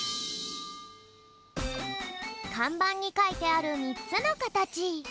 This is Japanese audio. かんばんにかいてある３つのかたち。